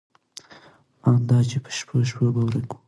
ان دا چې په شپو شپو به ورک و.